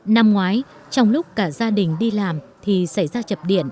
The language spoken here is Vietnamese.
năm ngoái trong lúc cả gia đình đi làm thì xảy ra chập điện